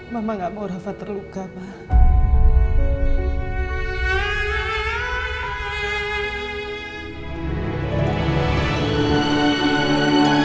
mama itu sama seluruh dunia